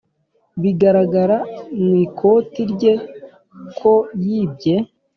bigaragara mu ikoti rye ko yibye